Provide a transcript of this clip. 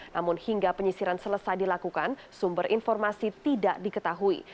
namun hingga penyisiran selesai dilakukan sumber informasi tidak diketahui